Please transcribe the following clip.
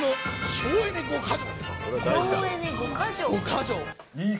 省エネ５か条？